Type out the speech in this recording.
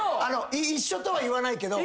一緒とは言わないけど。